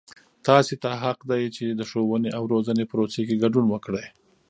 تاسې ته حق دی چې د ښووني او روزنې پروسې کې ګډون وکړئ.